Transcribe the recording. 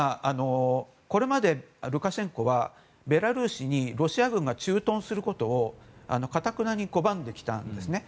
これまでルカシェンコはベラルーシにロシア軍が駐屯することをかたくなに拒んできたんですね。